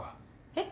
えっ？